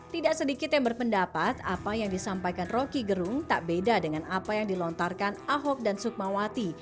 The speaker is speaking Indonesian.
tidak sedikit yang berpendapat apa yang disampaikan roky gerung tak beda dengan apa yang dilontarkan ahok dan sukmawati